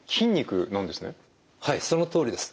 はいそのとおりです。